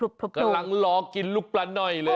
กำลังรอกินลูกปลาหน่อยเลย